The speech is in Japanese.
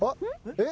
えっ？